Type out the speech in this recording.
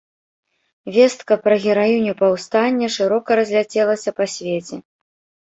Вестка пра гераіню паўстання шырока разляцелася па свеце.